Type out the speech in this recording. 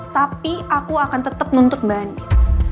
tapi aku akan tetap nuntut mbak andin